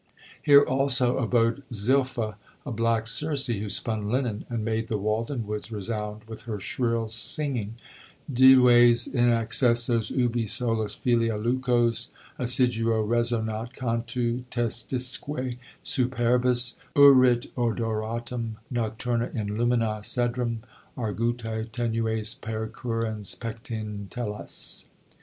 Here also abode Zilpha, a black Circe, who spun linen, and made the Walden Woods resound with her shrill singing: "Dives inaccessos ubi Solis filia lucos Assiduo resonat cantu, tectisque superbis Urit odoratam nocturna in lumina cedrum, Arguto tenues percurrens pectine telas."